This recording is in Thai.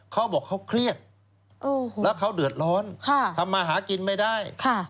เขาบอกเขาเครียดแล้วเขาเดือดร้อนทำมาหากินไม่ได้